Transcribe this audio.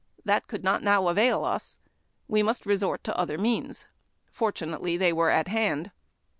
That could not now avail us. We must resort to other means. Fortunately, they were at hand.